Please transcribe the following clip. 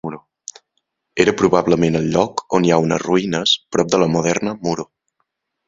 Era probablement al lloc on hi ha unes ruïnes prop de la moderna Muro.